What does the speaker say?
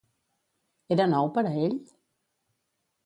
Era nou per a ell?